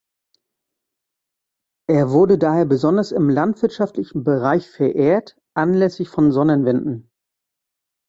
Er wurde daher besonders im landwirtschaftlichen Bereich verehrt, anlässlich von Sonnenwenden.